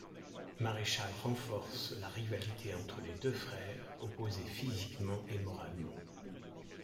Maréchal, renforce la rivalité entre les deux frères, opposés physiquement et moralement.